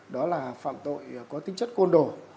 đó là phạm tội có tính chất côn đồ